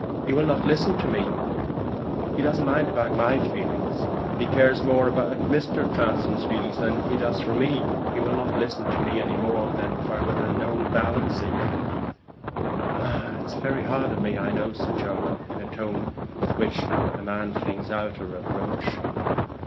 He will not listen to me; he doesn't mind about my feelings. He cares more for Mr. Transome than he does for me. He will not listen to me any more than if I were an old ballad singer." "It's very hard on me, I know," said Jermyn, in the tone with which a man flings out a reproach.